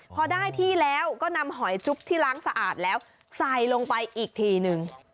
พอได้ที่แล้วก็นำหอยจุ๊บที่ล้างสะอาดแล้วใส่ลงไปอีกทีนึง